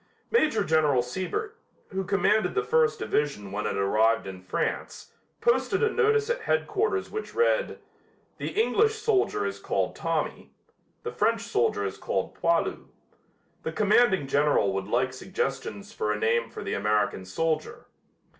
Major General Sibert, who commanded the first division when it arrived in France, posted a notice at headquarters which read: "The English soldier is called Tommy. The French soldier is called poilu. The Commanding General would like suggestions for a name for the American soldier."